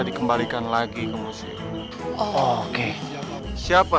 krikil dikecapin aja sama dia enak